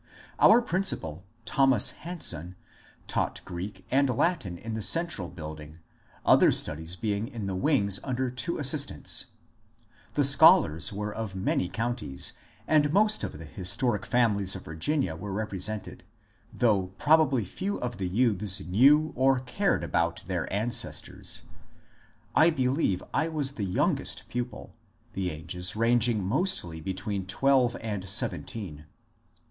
Our principal, Thomas Hanson, taught Greek and Latin in the central building, other studies being in the wings under two assistants. The ^* scholars " were of many counties, and most of the historic families of Virginia were represented, though probably few of the youths knew or cared about their ancestors. I believe I was the youngest pupil, — the ages ranging mostly between twelve and seven teen.